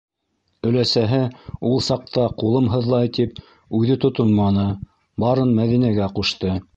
Өләсәһе ул саҡта ҡулым һыҙлай тип үҙе тотонманы, барын Мәҙинәгә ҡушты.